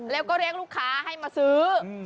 แล้วก็เรียกลูกค้าให้มาซื้อ